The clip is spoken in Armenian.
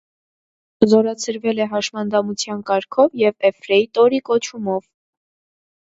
Զորացրվել է հաշվանդամության կարգով և եֆրեյտորի կոչումով։